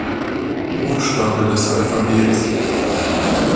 Buchstabe des Alphabets.